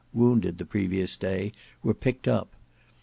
(wounded the previous day) were picked up.